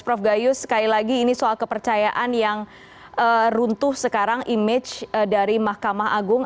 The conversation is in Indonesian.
prof gayus sekali lagi ini soal kepercayaan yang runtuh sekarang image dari mahkamah agung